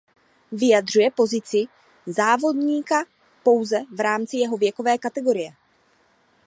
Vyjadřuje pozici závodníka pouze v rámci jeho věkové kategorie.